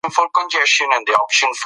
دوی ډالونه اخیستي وو.